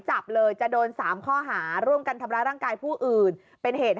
จับเลยจะโดน๓ข้อหาร่วมกันทำร้ายร่างกายผู้อื่นเป็นเหตุ